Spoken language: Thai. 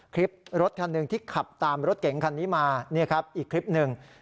คลิปรถคันหนึ่งที่ขับตามรถเก๋งคันนี้มานี่ครับอีกคลิปหนึ่ง